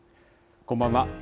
こんばんは。